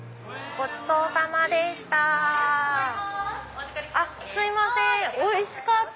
ごちそうさまでした。